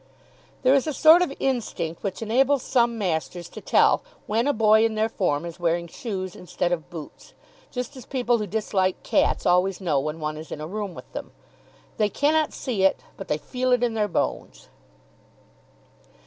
There is a sort of instinct which enables some masters to tell when a boy in their form is wearing shoes instead of boots, just as people who dislike cats always know when one is in a room with them. They cannot see it, but they feel it in their bones.